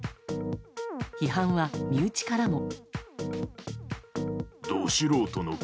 批判は身内からも。